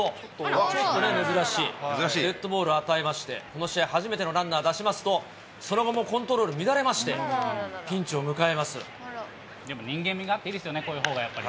ちょっと珍しい、デッドボールを与えまして、この試合初めてのランナー出しますと、その後もコントロール乱れでも人間味があっていいですよね、こういうほうがやっぱり。